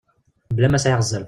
Mebla ma sɛiɣ zzerb.